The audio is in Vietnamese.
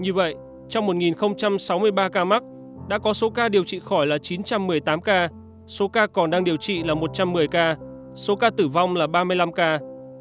như vậy trong một sáu mươi ba ca mắc đã có số ca điều trị khỏi là chín trăm một mươi tám ca số ca còn đang điều trị là một trăm một mươi ca số ca tử vong là ba mươi năm ca